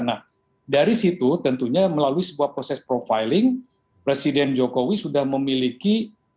nah dari situ tentunya melalui sebuah proses profiling presiden jokowi sudah memiliki